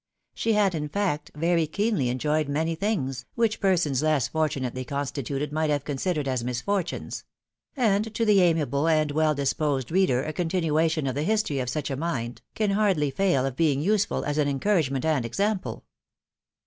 She had, in fact, very keenly enjoyed many things, which persons less fortunately constituted might have considered as misfortunes ; and to the amiable and well disposed reader a continuation of the history of such a mind can hardly fail of being useful as an encouragement and example.